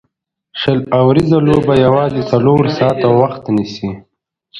شل اووريزه لوبه یوازي څلور ساعته وخت نیسي.